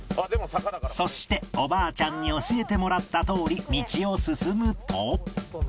そしておばあちゃんに教えてもらったとおり道を進むと